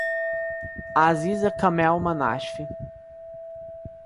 Aziza Kamel Manasfi